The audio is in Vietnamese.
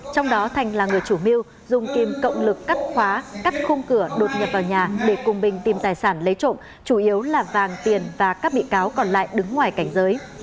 trong đó thành là người chủ mưu dùng kim cộng lực cắt khóa cắt khung cửa đột nhập vào nhà để cùng bình tìm tài sản lấy trộm chủ yếu là vàng tiền và các bị cáo còn lại đứng ngoài cảnh giới